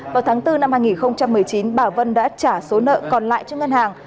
vào tháng bốn năm hai nghìn một mươi chín bà vân đã trả số nợ còn lại cho ngân hàng